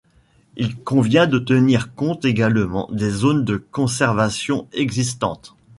Il convient de tenir compte également des zones de conservation existantes.